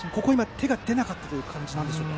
手が出なかったという感じでしょうか？